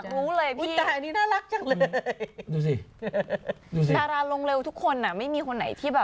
ดูสิดาราลงเร็วทุกคนอ่ะไม่มีคนไหนที่แบบ